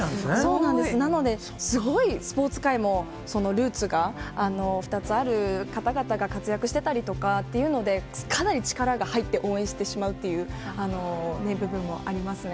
そうなんです、なので、すごいスポーツ界も、そのルーツが２つある方々が活躍してたりとかっていうので、かなり力が入って応援してしまうっていう部分もありますね。